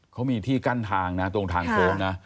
เขามีที่กั้นทางนะตรงทางโค้งนะ